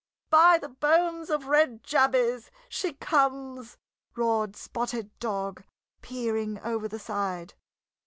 "By the bones of Red Jabez, she comes!" roared Spotted Dog, peering over the side.